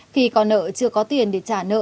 khi có nợ chưa có tiền để trả nợ